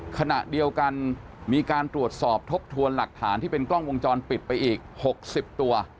ขณะเดียวกันมีการตรวจสอบทบทวนหลักฐานที่เป็นกล้องวงจรปิดไปอีก๖๐ตัว